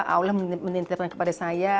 allah menintipkan kepada saya